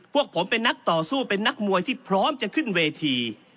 พวกผมเป็นนักต่อสู้เป็นนักมวยที่พร้อมจะขึ้นเวที